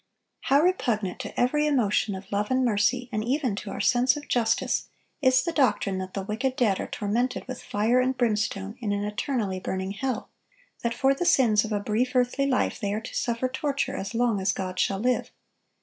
How repugnant to every emotion of love and mercy, and even to our sense of justice, is the doctrine that the wicked dead are tormented with fire and brimstone in an eternally burning hell; that for the sins of a brief earthly life they are to suffer torture as long as God shall live.